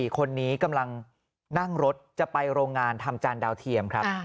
คนนี้กำลังนั่งรถจะไปโรงงานทำจานดาวเทียมครับ